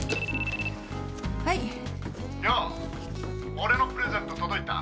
俺のプレゼント届いた？